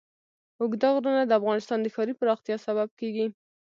اوږده غرونه د افغانستان د ښاري پراختیا سبب کېږي.